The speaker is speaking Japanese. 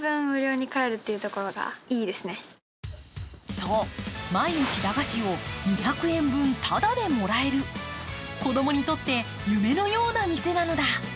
そう、毎日、駄菓子を２００円分ただでもらえる、子どもにとって夢のような店なのだ。